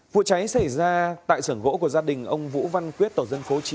vụ cháy xảy ra tại sưởng gỗ của gia đình ông vũ văn quyết tổ dân phố chín